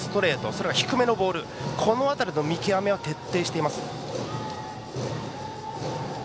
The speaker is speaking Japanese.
それから低めのボールこの辺りの見極めは徹底しています。